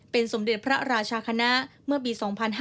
สมเด็จพระราชาคณะเมื่อปี๒๕๕๙